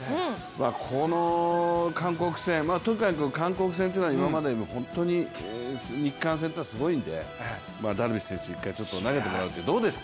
この韓国戦、韓国戦っていうのは、本当に日韓戦というのはすごいんで、ダルビッシュ選手、一回投げてもらうってどうですか。